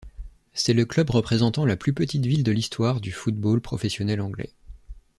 C'est le club représentant la plus petite ville de l'histoire du football professionnel anglais.